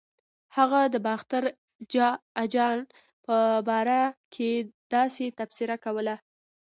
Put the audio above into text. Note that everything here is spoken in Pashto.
هغه د باختر اجان په باره کې داسې تبصره کوله.